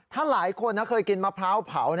ถ้าหลายคนเคยกินมะพร้าวเผา